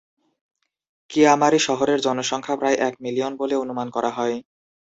কিয়ামারি শহরের জনসংখ্যা প্রায় এক মিলিয়ন বলে অনুমান করা হয়।